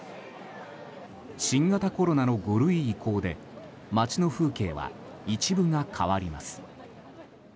新型コロナの５類移行で街の風景は一部が変わります。